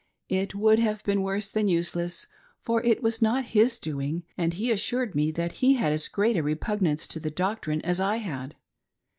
It would have been worse than useless, for it was not his doing, and he assured me that he had as great a repug nance to the doctrine as I had.